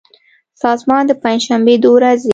سازمان د پنجشنبې د ورځې